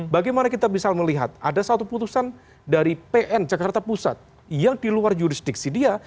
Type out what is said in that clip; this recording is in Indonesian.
bagaimana kita bisa melihat ada satu putusan dari pn jakarta pusat yang di luar jurisdiksi dia